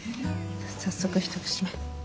早速１口目。